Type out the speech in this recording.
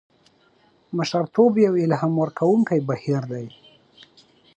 مشرتوب یو الهام ورکوونکی بهیر دی.